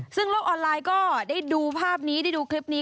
ซึ่งโลกออนไลน์ก็ได้ดูภาพนี้ได้ดูคลิปนี้